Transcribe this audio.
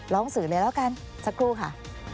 สื่อเลยแล้วกันสักครู่ค่ะ